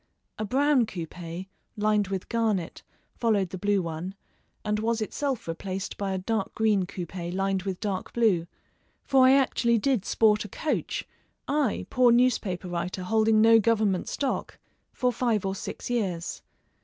A brown coupé, lined with garnet, followed the blue one, and was itself replaced by a dark green coupé lined with dark blue, for I actually did sport a coach I, poor newspaper writer holding no Government stock for five or six years.